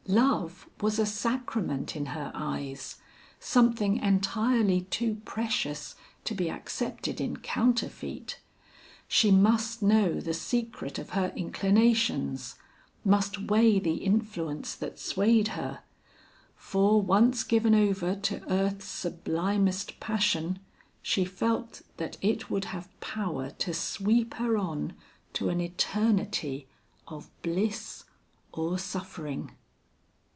Love was a sacrament in her eyes; something entirely too precious to be accepted in counterfeit. She must know the secret of her inclinations, must weigh the influence that swayed her, for once given over to earth's sublimest passion, she felt that it would have power to sweep her on to an eternity of bliss or suffering.